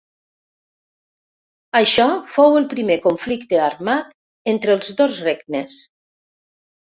Això fou el primer conflicte armat entre els dos regnes.